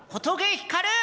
ひかる！